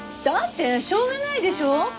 だってしょうがないでしょ！